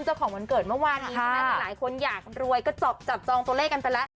ตั้งแต่เริ่มเข้าโรงพยาบาลจนเข้าโรงพยาบาล